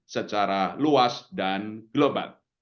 secara luas dan global